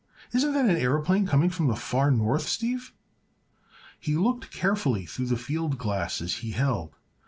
"Isn't that an aëroplane coming from the far north, Steve?" He looked carefully through the field glasses he held.